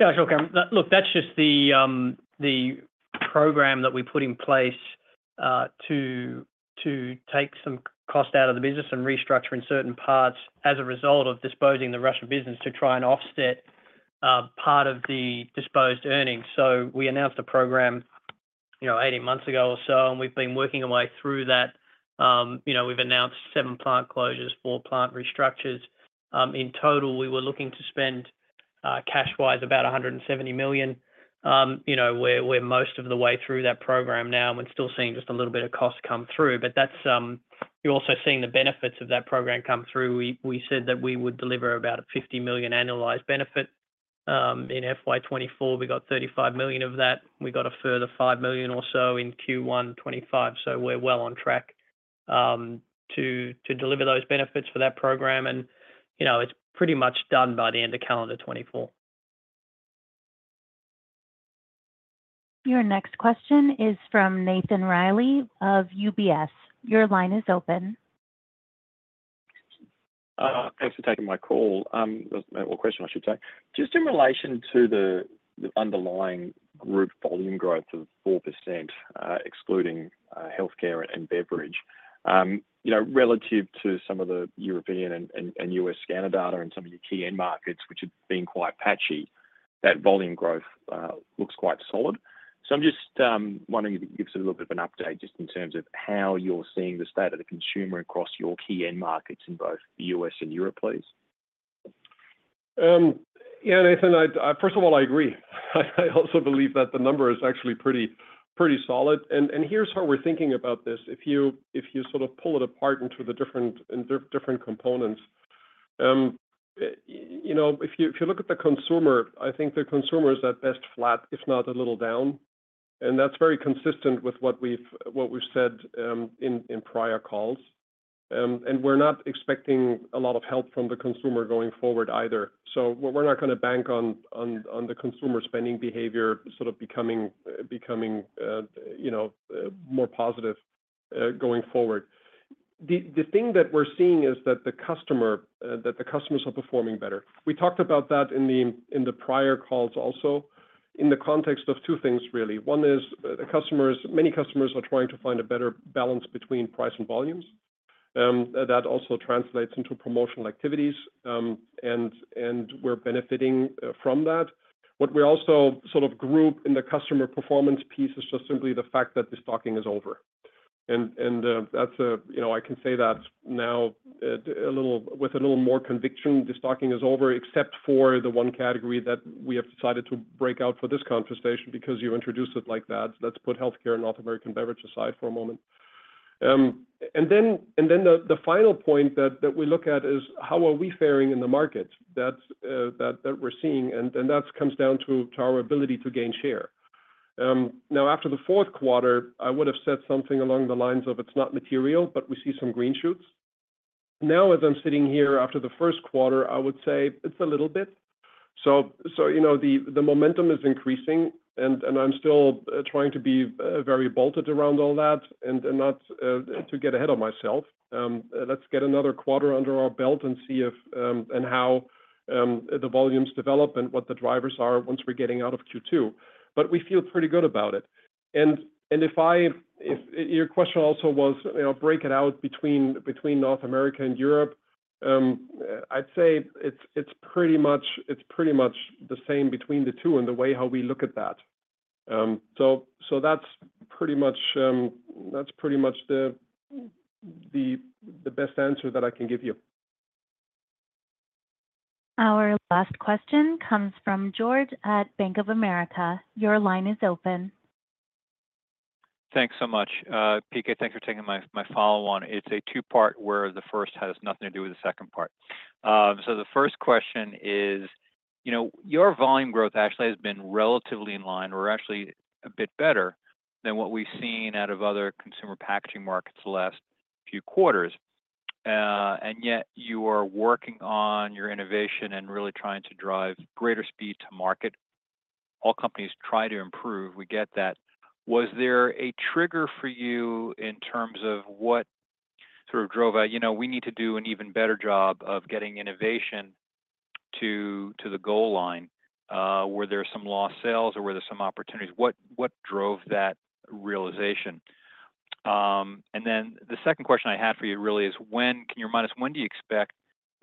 Yeah, sure. Look, that's just the program that we put in place to take some cost out of the business and restructure in certain parts as a result of disposing the Russian business to try and offset part of the disposed earnings. So we announced a program, you know, 18 months ago or so, and we've been working away through that. You know, we've announced seven plant closures, four plant restructures. In total, we were looking to spend cash-wise about $170 million. You know, we're most of the way through that program now. We're still seeing just a little bit of cost come through. But you're also seeing the benefits of that program come through. We said that we would deliver about a $50 million annualized benefit. In FY 2024, we got $35 million of that. We got a further $5 million or so in Q1 2025. So we're well on track to deliver those benefits for that program. And, you know, it's pretty much done by the end of calendar 2024. Your next question is from Nathan Reilly of UBS. Your line is open. Thanks for taking my call. Or question, I should say. Just in relation to the underlying group volume growth of 4%, excluding healthcare and beverage, you know, relative to some of the European and U.S. scanner data and some of your key end markets, which have been quite patchy, that volume growth looks quite solid. So I'm just wondering if you could give us a little bit of an update just in terms of how you're seeing the state of the consumer across your key end markets in both the U.S. and Europe, please? Yeah, Nathan, first of all, I agree. I also believe that the number is actually pretty solid. And here's how we're thinking about this. If you sort of pull it apart into the different components, you know, if you look at the consumer, I think the consumer is at best flat, if not a little down. And that's very consistent with what we've said in prior calls. And we're not expecting a lot of help from the consumer going forward either. So we're not going to bank on the consumer spending behavior sort of becoming, you know, more positive going forward. The thing that we're seeing is that the customers are performing better. We talked about that in the prior calls also in the context of two things, really. One is many customers are trying to find a better balance between price and volumes. That also translates into promotional activities. We're benefiting from that. What we also sort of group in the customer performance piece is just simply the fact that the stocking is over. That's, you know, I can say that now with a little more conviction, the stocking is over, except for the one category that we have decided to break out for this conversation because you introduced it like that. Let's put healthcare and North American beverage aside for a moment. Then the final point that we look at is how are we faring in the markets that we're seeing? That comes down to our ability to gain share. Now, after the fourth quarter, I would have said something along the lines of it's not material, but we see some green shoots. Now, as I'm sitting here after the first quarter, I would say it's a little bit. The momentum is increasing. And I'm still trying to be very cautious around all that and not to get ahead of myself. Let's get another quarter under our belt and see if and how the volumes develop and what the drivers are once we're getting out of Q2. But we feel pretty good about it. And if your question also was, you know, break it out between North America and Europe, I'd say it's pretty much the same between the two and the way how we look at that. So that's pretty much the best answer that I can give you. Our last question comes from George at Bank of America. Your line is open. Thanks so much. PK, thanks for taking my follow-on. It's a two-part where the first has nothing to do with the second part. So the first question is, you know, your volume growth actually has been relatively in line. We're actually a bit better than what we've seen out of other consumer packaging markets the last few quarters. And yet you are working on your innovation and really trying to drive greater speed to market. All companies try to improve. We get that. Was there a trigger for you in terms of what sort of drove out, you know, we need to do an even better job of getting innovation to the goal line? Were there some lost sales or were there some opportunities? What drove that realization? Then the second question I had for you really is, can you remind us when do you expect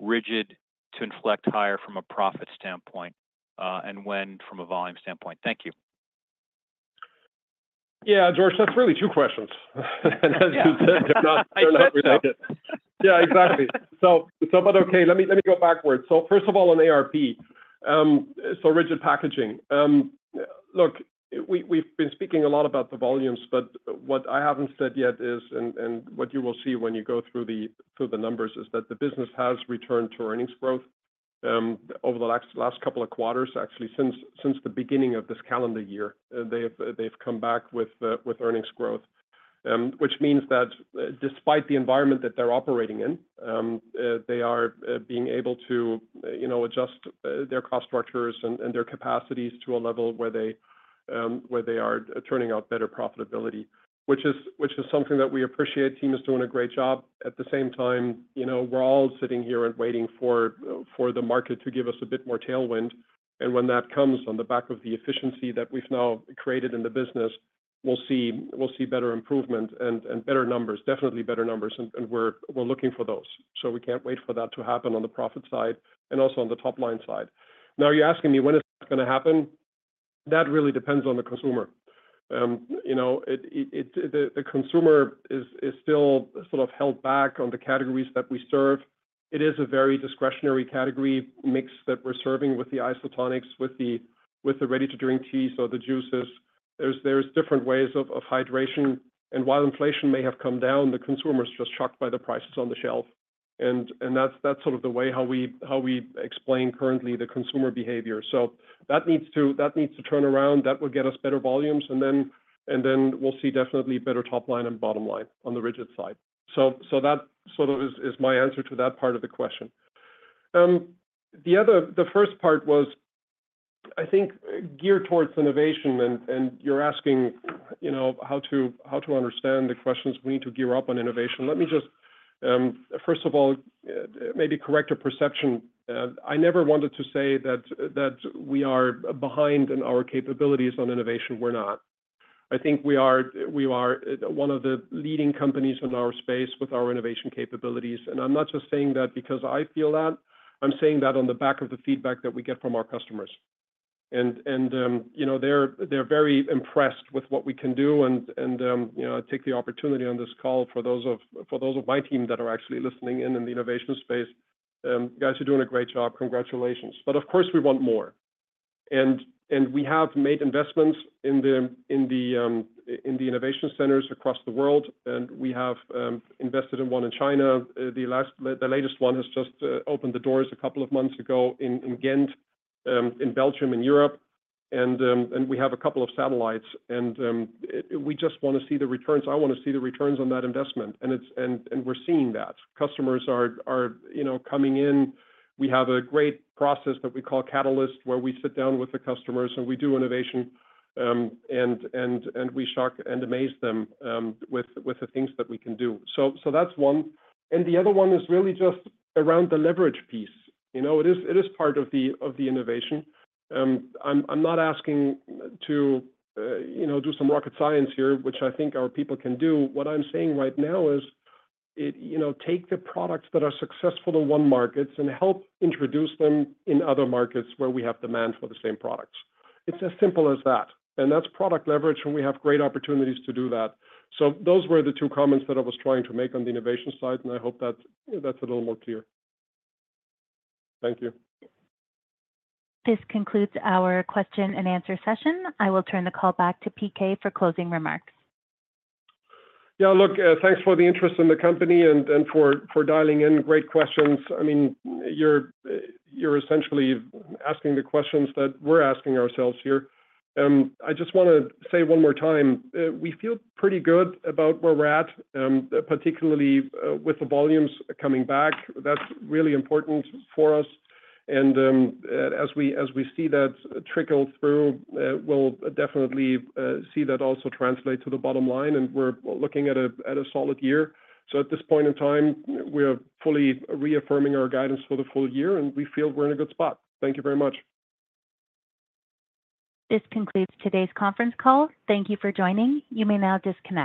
Rigid to inflect higher from a profit standpoint and when from a volume standpoint? Thank you. Yeah, George, that's really two questions. Yeah, exactly. But okay, let me go backwards. So first of all, on RP, so Rigid Packaging, look, we've been speaking a lot about the volumes, but what I haven't said yet is, and what you will see when you go through the numbers is that the business has returned to earnings growth over the last couple of quarters, actually, since the beginning of this calendar year. They've come back with earnings growth, which means that despite the environment that they're operating in, they are being able to, you know, adjust their cost structures and their capacities to a level where they are turning out better profitability, which is something that we appreciate. The team is doing a great job. At the same time, you know, we're all sitting here and waiting for the market to give us a bit more tailwind. And when that comes on the back of the efficiency that we've now created in the business, we'll see better improvement and better numbers, definitely better numbers. And we're looking for those. So we can't wait for that to happen on the profit side and also on the top line side. Now, you're asking me when is that going to happen? That really depends on the consumer. You know, the consumer is still sort of held back on the categories that we serve. It is a very discretionary category mix that we're serving with the isotonics, with the ready-to-drink tea, sodas, juices. There's different ways of hydration. And while inflation may have come down, the consumer is just shocked by the prices on the shelf. And that's sort of the way how we explain currently the consumer behavior. So that needs to turn around. That will get us better volumes. And then we'll see definitely better top line and bottom line on the Rigid side. So that sort of is my answer to that part of the question. The first part was, I think, geared towards innovation. And you're asking, you know, how to understand the questions we need to gear up on innovation. Let me just, first of all, maybe correct a perception. I never wanted to say that we are behind in our capabilities on innovation. We're not. I think we are one of the leading companies in our space with our innovation capabilities. And I'm not just saying that because I feel that. I'm saying that on the back of the feedback that we get from our customers. And, you know, they're very impressed with what we can do. And, you know, I take the opportunity on this call for those of my team that are actually listening in in the innovation space. You guys are doing a great job. Congratulations. But of course, we want more. And we have made investments in the innovation centers across the world. And we have invested in one in China. The latest one has just opened the doors a couple of months ago in Ghent, in Belgium, in Europe. And we have a couple of satellites. And we just want to see the returns. I want to see the returns on that investment. And we're seeing that. Customers are, you know, coming in. We have a great process that we call Catalyst, where we sit down with the customers and we do innovation. And we shock and amaze them with the things that we can do. So that's one. The other one is really just around the leverage piece. You know, it is part of the innovation. I'm not asking to, you know, do some rocket science here, which I think our people can do. What I'm saying right now is, you know, take the products that are successful in one market and help introduce them in other markets where we have demand for the same products. It's as simple as that. That's product leverage. We have great opportunities to do that. Those were the two comments that I was trying to make on the innovation side. I hope that's a little more clear. Thank you. This concludes our question and answer session. I will turn the call back to PK for closing remarks. Yeah, look, thanks for the interest in the company and for dialing in. Great questions. I mean, you're essentially asking the questions that we're asking ourselves here. I just want to say one more time, we feel pretty good about where we're at, particularly with the volumes coming back. That's really important for us. And as we see that trickle through, we'll definitely see that also translate to the bottom line. And we're looking at a solid year. So at this point in time, we're fully reaffirming our guidance for the full year. And we feel we're in a good spot. Thank you very much. This concludes today's conference call. Thank you for joining. You may now disconnect.